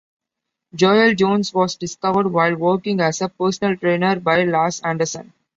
Joel Jones was discovered while working as a personal trainer by Lars Anderson.